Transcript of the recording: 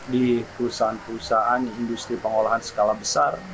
di perusahaan perusahaan industri pengolahan skala besar